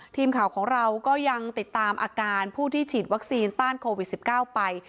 ทีมข่าวของเราก็ยังติดตามอาการผู้ที่ฉีดวัคซีนต้านโควิด๑๙ไป